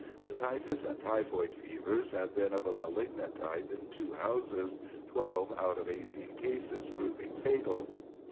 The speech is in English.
The typhus and typhoid fevers have been of a malignant type in two houses, twelve out of eighteen cases proving fatal.